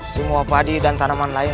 semua padi dan tanaman lain